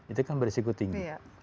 itu kan berisiko tinggi